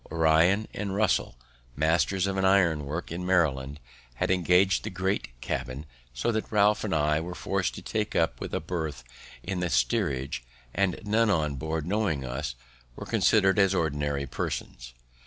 Onion and Russel, masters of an iron work in Maryland, had engaged the great cabin; so that Ralph and I were forced to take up with a berth in the steerage, and none on board knowing us, were considered as ordinary persons.